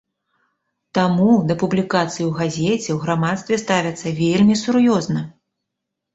Таму да публікацый у газеце ў грамадстве ставяцца вельмі сур'ёзна.